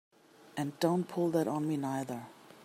And don't pull that on me neither!